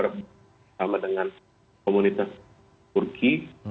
saya juga berbuka sama dengan komunitas turki